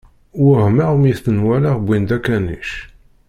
Wehmeɣ mi ten-walaɣ wwin-d akanic.